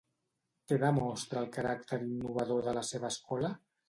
Què demostra el caràcter innovador de la seva escola?